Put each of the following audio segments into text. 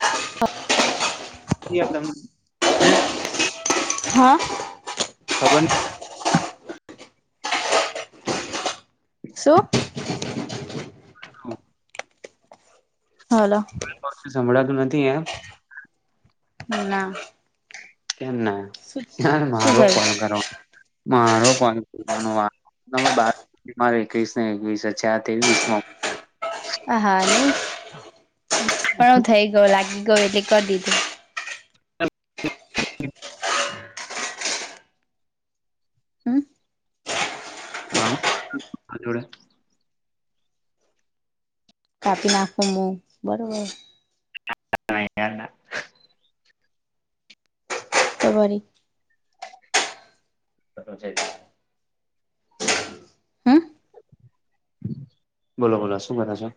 હ. [unintelligible] એ તેમ હે. હા. ખબર. શું? હ. હા. તમને સંભળાતું નથી એમ. ના ના. કેમ ના ના શું મારો થયું? કોલ કરવા. મારો કોઈ કરવાનું વાર બ. મારે એકવીસ ને એકવીસ હ છે. આ ત્રેવીસ માં. આ હા, નને પણ હું થઈ ગયો, લાગી ગયો, એટલે કરી દીધું. ઓ. હમ હા, અડા. કાપી નાખું, બરોબર. હી ના. [unintelligible] તેવારી. કું છે. [unintelligible] હમ બોલો, બોલો, શું કરો છો?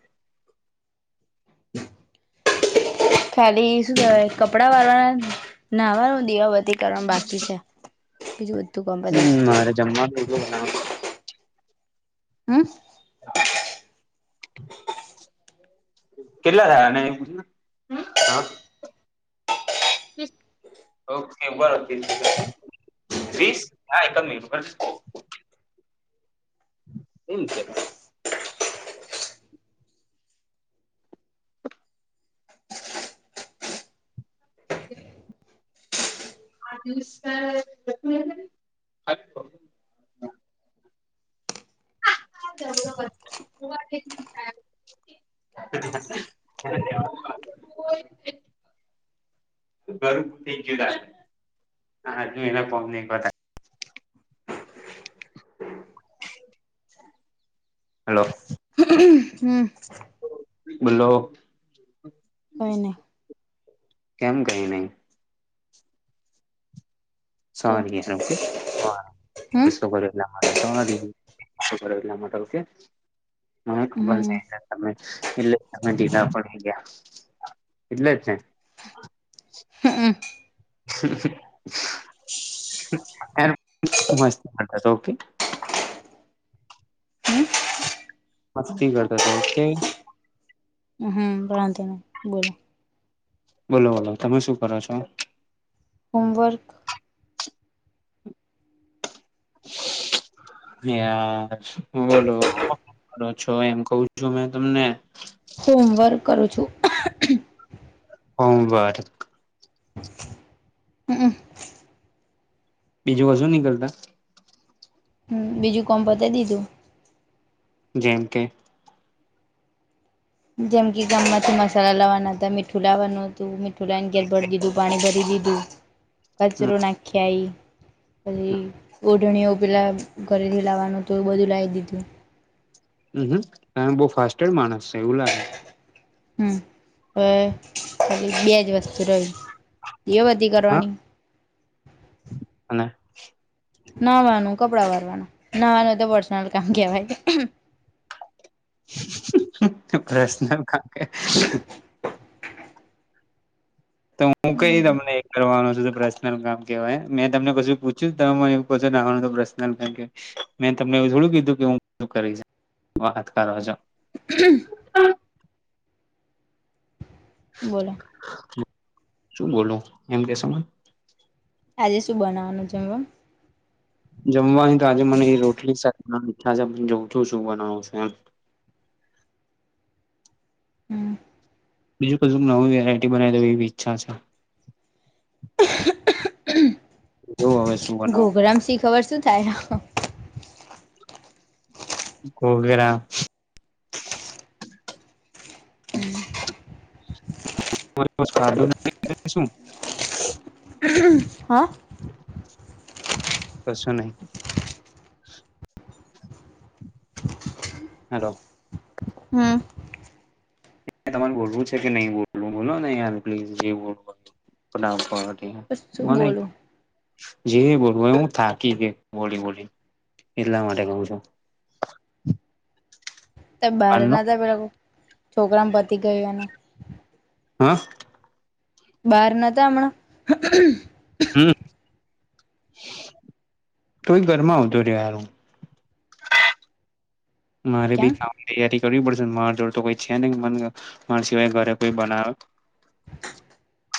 ખાલી શું કહેવાય, કપડાં વાપરવાના, નાહવાનું, દીવા બી કરવાનું બાકી છે. બીજું બધું ગમે. હમ મારે જમવાનું કેટલું બનાવે છે? હા. [unintelligible] કેટલા થયા? અને હા. ઓકે, બરોબર. વીસ, હા, એકમ મિબર.. એમ કે. હ. [unintelligible] [unintelligible] જ. ધન્યવાદ. [unintelligible] થયું, હા, એલા કોમને એકવાર. [unintelligible] હલો. હમ. બોલો, કઈ નહી કેમ કહીને? તો સારી, ઓકે. હમ સ કર એટલા માટે સ કર એટલા માટે કે [unintelligible] હને ખબર હમ નઈ કે તમે એટલે તમે ઢીલા પડી ગયા. એટલે જ છે. હમ [inaudible] ઓકે. મસ્તી કરતોતો. ઓકે. હમ વાંધો નય. બોલો. બોલો બોલો, તમે શું કરો છો? હોમવર્ક [unintelligible] યાર બોલો હું કરો છો એમ કવ છું મે તમને. હોમવર્ક કરું છું. સોમવાર હમ. બીજું કશું નય કરતા? હમ બીજું કોમ પતાય દીધું. જેમ કે, જેમ કે ગામમાંથી મસાલા લાવવાના હતા, મીઠું લાવવાનું હતું, મીઠ ઠુલા ને ઘેર ભરી દીધું, પાણી ભરી દીધું, હમ કચરો નાખી આઈ. પછી ઓઢણીઓ પેલા ઘરેથી લાવવાનું હતું એ બધું લાઇ દીધું. હમ હમ બહુ ફાસ્ટેડ માણસ છે એવું લાગે છે. હવે બે જ વસ્તુ રહી દીવાબત્તી હા કરવાની. અને નાહવાનું ને કપડાં વારવાનું, નાવાનું તો પર્સનલ કામ કેવાય. પર્સનલ કામ કેહ તો હું કઈ તમને એ કરવાનો છું તો પ્રશ્ન પર્સનલ કામ કહેવાય મેં તમને કશું પૂછ્યું? તમે મને એવું કો છો [unintelligible] પ્રશ્નલ કામ કેવાય. મેં તમને એવું થોડું કીધું કે હું [unintelligible] શું કરીશ વાત કરો છો. [unintelligible] [unintelligible] બોલો. શું બોલુ એમ કહેશો મન? આજે શું બનાવાનું જમવામ? જમવાની તો આજે મને રોટલી શાક બનવાની ઈચ્છા છે જોઉ છું શું બનાવું છું એમ. હમ બીજું કજુંક નવી વેરાયટી બનાવી દઉં એવી ઈચ્છા છે. એવું આવે છ ઘોઘરામ શી ખબર શું થાય? ઘોઘરા હમ. [inaudible] શું હ કશું નહી. હલો. હમ. તમારે બોલવું છે કે નહી બોલવું. બોલો ને યાર પ્લીઝ જે બોલવું હોય એ. [unintelligible] શું મન બોલું જે બોલવું હોય એ. હું થાકી ગ્યો. બોલી બોલી એટલા માટે કઉ છું. કાલનો [unintelligible] છોકરાન પતી ગયું એને હા બહાર નતો હમણાં? હમ. તોય ઘરમાં આવતો રહ્યો હારો. મારે કેમ ભી ખા તૈયારી કરવી પડશેને મારો જોડ તો કોઈ છે ને મ મારા સિવાય ઘરે કોઈ બનાવે.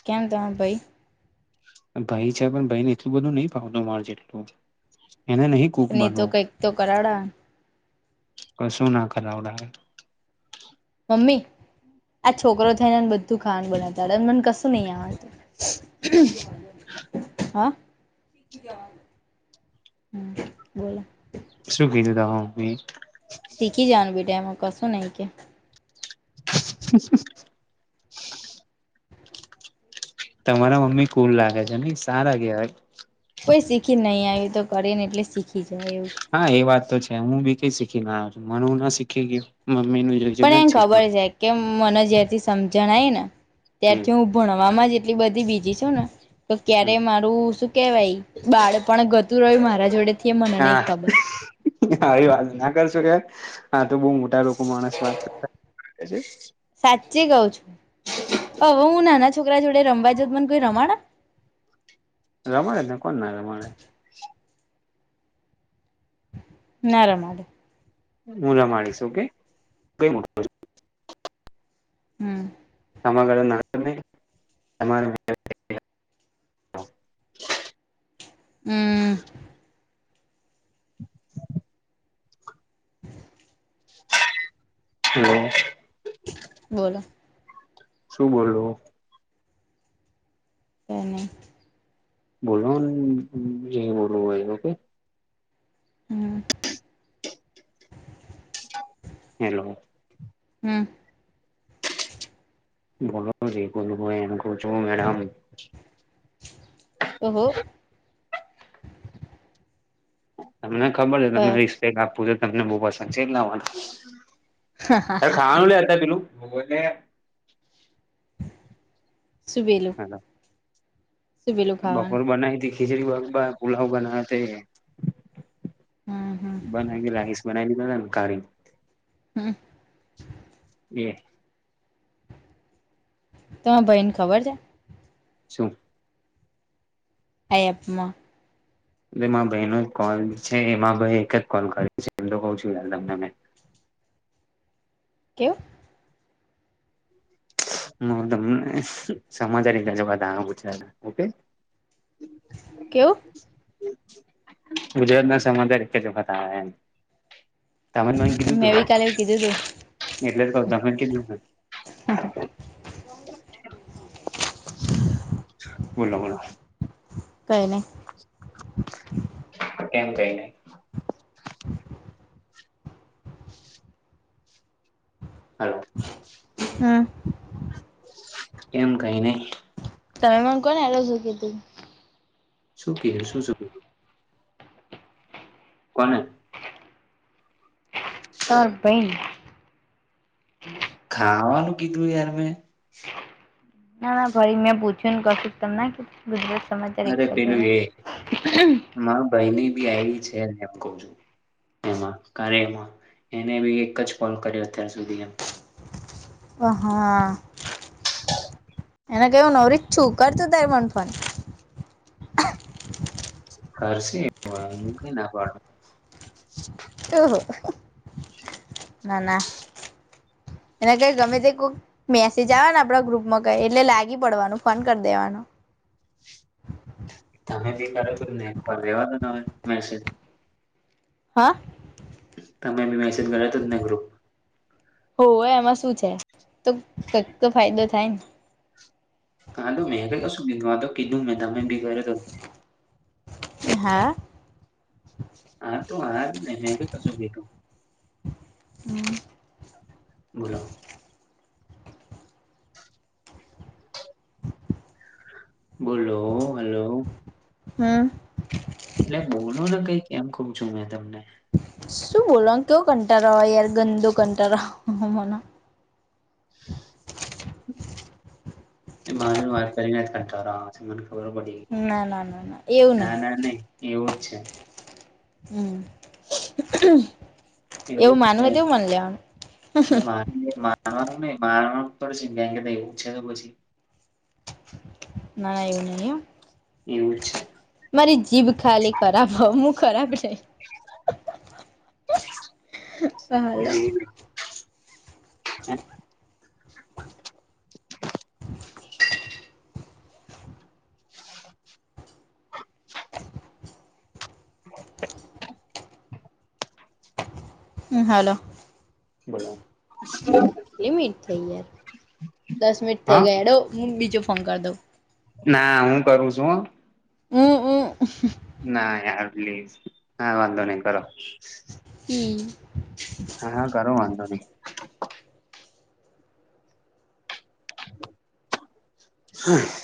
કેમ દ ભાઈ ભાઈ છે પણ ભાઈ ને એટલું બધું નહી ફાવતું માર જેટલું એને નહી કુક ન ઇ તો બનવું કઈક તો કરાવડા કશુ ના કરાવડાવે મમ્મી આ છોકરો થાયને બધું ખાન બનાવતા આવડે ને મને કશું નહી આવતું. હા હમ્મ બોલો શું કીધું તા મમ્મી શીખી જવાનું બેટા એમાં કશું નઈ કે. [inaudible] તમારા મમ્મી કુલ લાગે છે ને સારા કેહેવાય કોઈ શીખી નહીં આવ્યું તો કરી ને એટલે શીખી જાવયું. હા એ વાત તો છે હું બી કઈ શીખી ના આવ્યો છું મને હુ ના શીખી ગયું મમ્મી નું જોયું પણ એમ ખબર છે કે મને જ્યારથી સમજણ આવી ને હમ ત્યારથી હું ભણવામાં જ એટલી બધી બીજી છું ને તો ક્યારે હમ મારું શું કેવાય બાળ પણ ગતું રહય મારા જોડે થી એ મને નહી ખબર હા આવી વાત ના કરશો કે આા તો બહુ મોટા લોકો માણસ વાત કર એ છે. સાચી કઉ છું હવે હું નાના છોકરા જોડે રમવા જાઉં મને કોઈ રમાડા રમાડે, ને કોણ ના રમાડે ના રમાડે હુ રામાડીશ ઓકે. હમ્મ [unintelligible] હમ્મ [inaudible] હમ્મ બોલો શું બોલવ એને બોલો બોલું ભાઈ ઓકે. હમ્મ હેલો હમ્મ બલો જે કો ભ એમ કર છો મેડમ ઓહો તમને ખબર છે, તમે રિસ્પેક્ટ આપવો છે તમને બહુ પસંદ છે એટલા માટે અરે ખાવાનું લેતા પેલું સુ બેલા [inaudible] બપોર ખાવાનું બનાવી હતી ખીચડી બાગ પુલાવ બનાવે તે હમ હમ [unintelligible] હમ્મ એ ત ભઈ ને ખબર છે સું આ એપ મા એટલે ભાઈનો કોલ છે એમાં ભાઈ એક જ કોલ કર્યો છે એમ તો કઉ છું તમને મે કેમ હ તમને સમાજારી ગ છે બધા પૂછ ઓકે કવ ગુજરાત ના સમાદાર ચ વખત આવ એમ તમાર કીધું તું ચાલે કીધુ એટલે જ ક હા હા બોલો બોલો કઈ ન એમ કઈ નહી હ હ એમ કઈ નહ ત કોને એલો છ કે તું શું ક શું શ કોને તરબન ખાવાનું કીધું યાર મેં ના ના ભરી મેં પૂછ્યું ને કશું તમનેધું ગુજરાત સમાચાર એક અરે પેલું એ દ્વારા મારા ભાઈની બી આ છે ને એમ કહ છું એમાં ક્યારે એમાં એને બી એક જ કોલ કર્યો અત્યાર સુધી એમ ઓહા એને કેવું ન ર છું કરતું થાય મનફન હશી ના પા ના ના એનેક ગમે તે કક મેસેજ આવેવા ને આપડા ગ્રુપમાં કઈ એટલે લાગી પડવાનું ફોન કરી દેવાનું તમે બી કરો છો ને કોલ લેવા નવે મેસેજ હા તમેી મેસેજ કરો તોને ગ્રુપ હો એમાં શું છે તો કઈક તો ફાયદો થાય ને હા તો મેગ કશું બીધું આ તો કીધું મેં તમે બી કર હા આ તો હાર ન હ કે કશું બેઠું હમ બોલો [unintelligible] બોલો હલો હમ એટલે બોલો ને કઈક એમ કું છું મેં તમને શું બોલો કેવો કંટાળા હોય યાર ગંદુ કંટાળા મ માજ વાત કરીને જ કરતા મને ખબર પડી ના ના ના એવું ના નહી ના નઈ એવું જ છે હમ એવું જ છે માનુંવ એવું મન લેવાનું આ ન મા ગેંગ ત ઉ છે તો પછી ના એવું નઈ હો એવું જ મારી જીભ ખાલી ખરાબ હ હું ખરાબ નહીં ભાલ છે ટટ હ હલો બોલો [inaudible] લિમિટ થઈ યાર, દસ મિનિટ થઈ હા ગઈ હેડો હું બીજો ફોન કર દઉં. ના હું કરું છું હો. હમ્મ હમ્મ. ના યાર પ્લીઝ, હા વાંધો નઈ કરો. હમ્મ. હા હા કરો વાંધો નહી. હા.